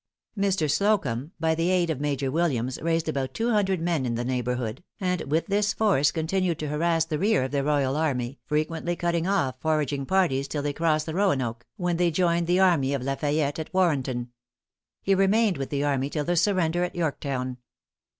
Mr. Slocumb, by the aid of Major Williams, raised about two hundred men in the neighborhood, and with this force continued to harass the rear of the royal army, frequently cutting off foraging parties, till they crossed the Roanoke, when they joined the army of La Fayette at Warrenton. He remained with the army till the surrender at Yorktown.